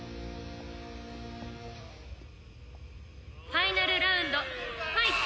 ファイナルラウンドファイト！